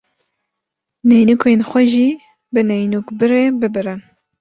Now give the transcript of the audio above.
Neynûkên xwe jî bi neynûkbirê bibirin.